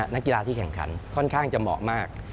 นักกีฬาที่แข่งขันค่อนข้างจะเหมาะมาก